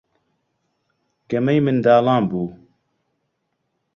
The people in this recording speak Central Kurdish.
گەمەی منداڵان بوو.